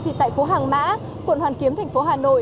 thì tại phố hàng mã quận hoàn kiếm thành phố hà nội